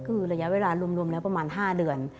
คือระยะเวลารวมแล้วประมาณ๕เดือน